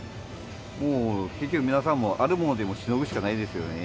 もう結局皆さん、もうあるものでしのぐしかないですよね。